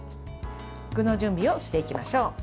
具の準備をしていきましょう。